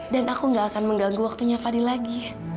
dan aku gak akan mengganggu waktunya fadil lagi